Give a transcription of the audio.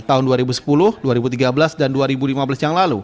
tahun dua ribu sepuluh dua ribu tiga belas dan dua ribu lima belas yang lalu